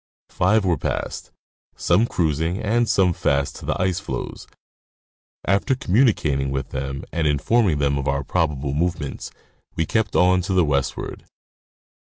Five were passed, some cruising and some fast to the ice floes. After communicating with them and informing them of our prob able movements, we kept on to the westward.